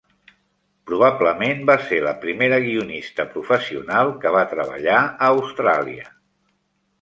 Probablement va ser la primera guionista professional que va treballar a Austràlia.